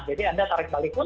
jadi anda tarik balik pun